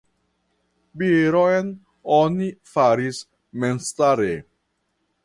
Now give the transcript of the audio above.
Bieron oni faris memstare.